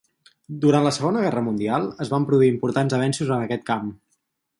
Durant la Segona Guerra Mundial es van produir importants avenços en aquest camp.